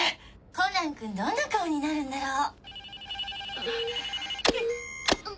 コナンくんどんな顔になるんだろう？